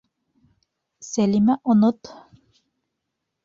Сәлимә, онот.